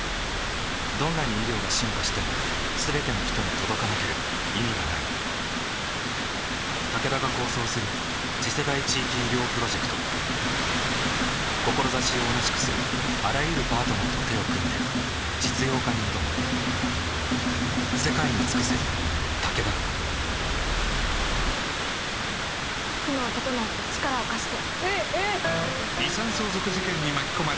どんなに医療が進化しても全ての人に届かなければ意味がないタケダが構想する次世代地域医療プロジェクト志を同じくするあらゆるパートナーと手を組んで実用化に挑むはい、「ぽかぽか」の振り付けができました。